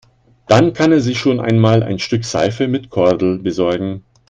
Dann kann er sich schon einmal ein Stück Seife mit Kordel besorgen.